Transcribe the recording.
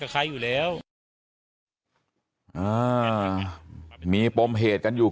บอกแล้วบอกแล้วบอกแล้ว